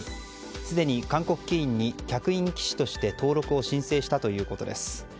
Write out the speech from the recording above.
すでに韓国棋院に客員棋士として登録を申請したということです。